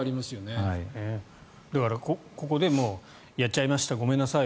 だから、ここでやっちゃいましたごめんなさい